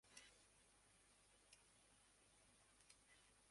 Luggage কিংবা শরীরে থাকা চাই শীতের নতুন পোশাক।